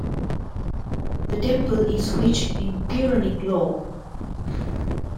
The temple is rich in puranic lore.